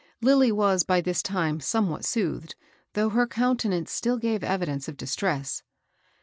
Lilly was by this time somewhat soothed, though her countenance still gave evidence of dis tress.